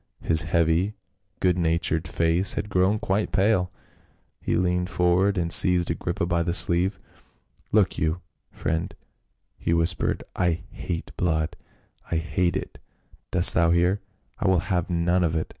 His heavy good natured face had grown quite pale ; he leaned forward and seized Agrippa by the sleeve, " Look you, friend," he whispered, " I hate blood — I hate it, dost thou hear ? I will have none of it.